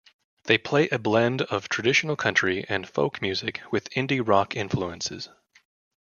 They play a blend of traditional country and folk music with indie rock influences.